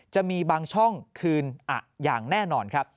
จะมีบางช่องคืนอะอย่างแน่นอน